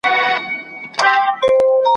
خو چي پام یې سو څلورو نرۍ پښو ته ,